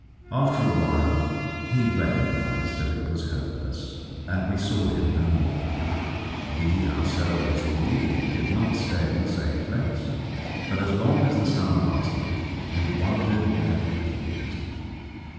After a while he recognised that it was hopeless, and we saw him no more. We ourselves, indeed, did not stay in the same place, but as long as the summer lasted we wandered where we pleased.